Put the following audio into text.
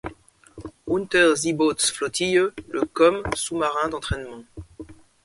Unterseebootsflottille le comme sous-marin d'entrainement.